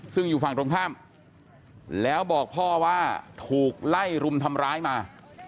ซึ่งอยู่ฝั่งตรงข้ามแล้วบอกพ่อว่าถูกไล่รุมทำร้ายมา